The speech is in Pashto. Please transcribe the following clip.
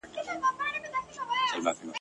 ژوند مي جهاني له نن سبا تمه شلولې ده !.